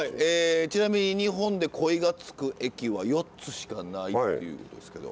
ちなみに日本で「恋」がつく駅は４つしかないっていうことですけど。